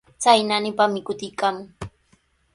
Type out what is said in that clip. Chay naanipami kutiykaamun.